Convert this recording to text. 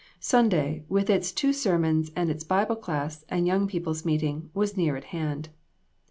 Sunday, with its two sermons and its Bible class and young people's meeting, was near at hand.